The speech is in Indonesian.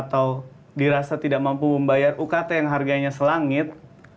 atau dirasa tidak mampu membayar ukt yang harganya selangit